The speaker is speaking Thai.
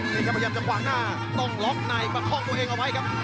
พยายามจะขวางหน้าต้องล็อคในประคอกตัวเองเอาไว้ครับ